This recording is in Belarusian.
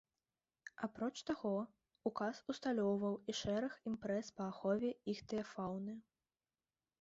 Апроч таго ўказ усталёўваў і шэраг імпрэз па ахове іхтыяфауны.